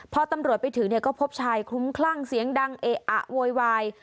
พอตำรวจไปถึงเนี่ยก็พบชายคลุ้มคลั่งเสียงดังเอะอะโวยวาย